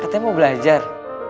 katanya mau belajar